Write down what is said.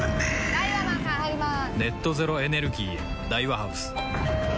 ・ダイワマンさん入りまーす！